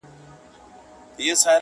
میکده څه نن یې پیر را سره خاندي,